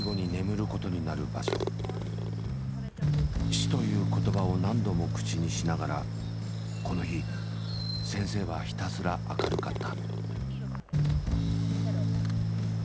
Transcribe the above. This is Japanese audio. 死という言葉を何度も口にしながらこの日先生はひたすら明るかった。